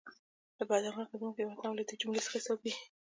له بده مرغه زموږ هیواد هم له دې جملې څخه حسابېږي.